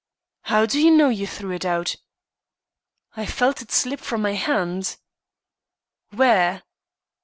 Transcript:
"How do you know you threw it out?" "I felt it slip from my hand." "Where?"